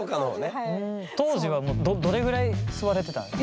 当時はどれぐらい吸われてたんですか？